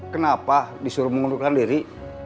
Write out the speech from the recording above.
kenapa disuruh mengundurkan diri